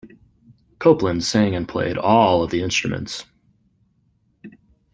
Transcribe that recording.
Copeland sang and played all of the instruments.